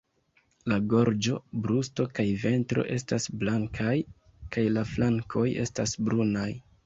La gorĝo, brusto kaj ventro estas blankaj, kaj la flankoj estas brunaj.